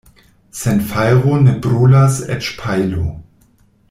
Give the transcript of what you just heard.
Sen fajro ne brulas eĉ pajlo.